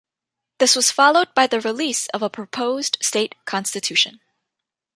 This was followed by the release of a proposed state constitution.